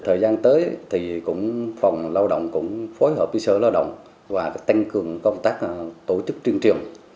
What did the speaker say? thời gian tới thì cũng phòng lao động cũng phối hợp với sở lao động và tăng cường công tác tổ chức tuyên truyền